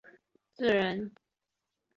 自然将一个随机变量赋予每个参与者。